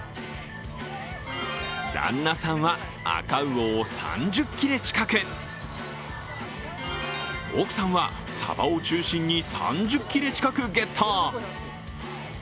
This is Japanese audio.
旦那さんは赤魚を３０切れ近く、奥さんはさばを中心に３０切れ近くゲット。